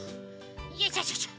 よいしょしょしょ。